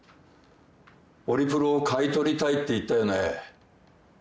オリプロを買い取りたいって言ったよね。